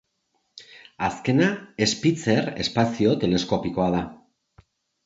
Azkena Spitzer espazio teleskopioa da.